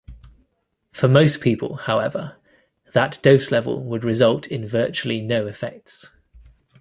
For most people, however, that dose level would result in virtually no effects.